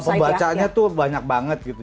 pembacaannya tuh banyak banget gitu